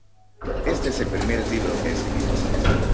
Este es el primer libro que ha escrito.